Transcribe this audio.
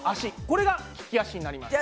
これが利き足になります。